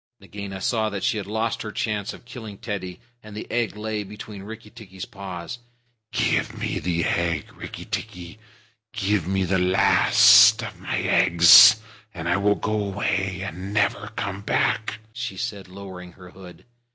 Nagaina saw that she had lost her chance of killing Teddy, and the egg lay between Rikki tikki's paws. "Give me the egg, Rikki tikki. Give me the last of my eggs, and I will go away and never come back," she said, lowering her hood.